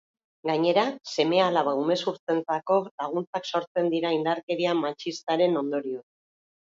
Gainera, seme-alaba umezurtzentzako laguntzak sortzen dira indarkeria matxistaren ondorioz.